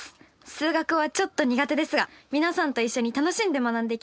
数学はちょっと苦手ですが皆さんと一緒に楽しんで学んでいきたいと思います。